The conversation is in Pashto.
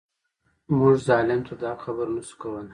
موږ ظالم ته د حق خبره نه شو کولای.